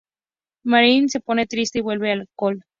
Meredith se pone triste y vuelve al alcohol.